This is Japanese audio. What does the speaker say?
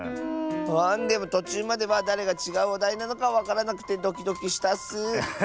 あでもとちゅうまではだれがちがうおだいなのかわからなくてドキドキしたッス！